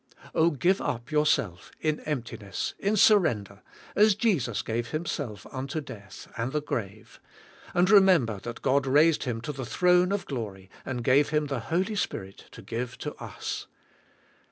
Oh, give up yourself in emptiness, in surrender, as Jesus gave Himself unto death and the grave, and remember that God raised Him to the throne of glory and gave Him the Holy Spirit to give to us.